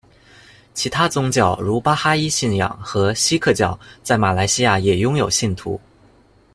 其他宗教，如巴哈伊信仰和锡克教在马来西亚也拥有信徒。